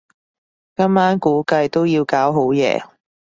今晚估計都要搞好夜